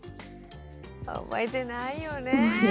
覚えてないよね。